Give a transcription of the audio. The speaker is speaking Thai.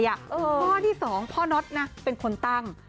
เพราะที่สองพ่อน็อตเป็นคนตั้ง